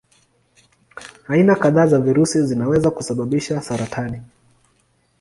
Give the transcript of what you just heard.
Aina kadhaa za virusi zinaweza kusababisha saratani.